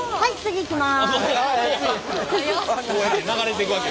いきます。